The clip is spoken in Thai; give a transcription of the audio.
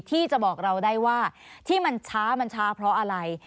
ที่จะบอกเราได้ว่าที่มันช้ามันช้าเพราะอะไร